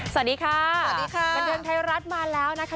สวัสดีค่ะสวัสดีค่ะบันเทิงไทยรัฐมาแล้วนะคะ